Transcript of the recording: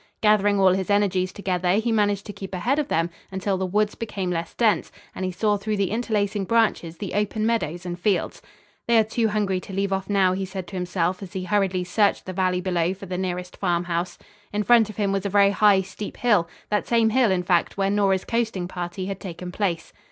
Gathering all his energies together he managed to keep ahead of them until the woods became less dense, and he saw through the interlacing branches the open meadows and fields. "They are too hungry to leave off now," he said to himself as he hurriedly searched the valley below for the nearest farmhouse. In front of him was a very high, steep hill, that same hill, in fact, where Nora's coasting party had taken place.